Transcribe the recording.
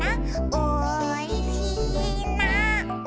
「おいしいな」